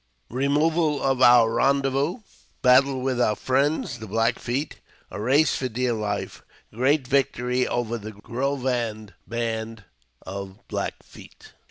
Bemoval of our Eendezvous — Battle with our Friends, the Black Feet— A Eace for dear Life— Great Victory over the Grovan Band of Black Feet.